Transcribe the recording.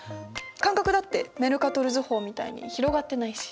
間隔だってメルカトル図法みたいに広がってないし。